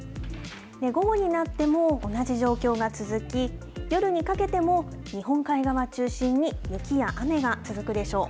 午後になっても同じ状況が続き、夜にかけても日本海側中心に、雪や雨が続くでしょう。